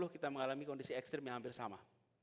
dua ribu dua puluh kita mengalami kondisi ekstrim yang hampir sama